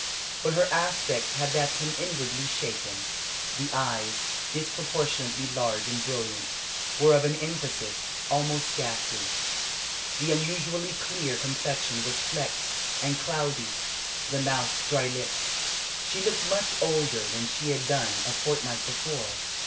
But her aspect had left him inwardly shaken. The eyes, disproportionately large and brilliant, were of an emphasis almost ghastly, the usually clear complexion was flecked and cloudy, the mouth dry lipped. She looked much older than she had done a fortnight before.